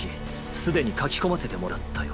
すでに「書き込ませて」もらったよ。